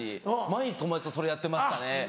毎日友達とそれやってましたね。